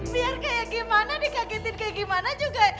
biar kaya gimana dikagetin kaya gimana juga